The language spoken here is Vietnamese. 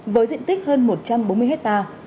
với diện tích hơn một trăm bốn mươi hectare